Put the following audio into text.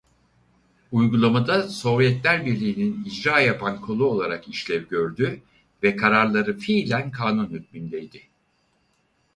Uygulamada Sovyetler Birliği'nin icra yapan kolu olarak işlev gördü ve kararları fiilen kanun hükmündeydi.